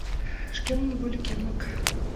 Шкемын вольыкемак.